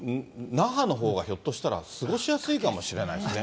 那覇のほうがひょっとしたら過ごしやすいかもしれないですね。